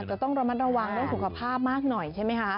อาจจะต้องเป็นระวังด้วยสุขภาพมากหน่อยใช่ไหมคะ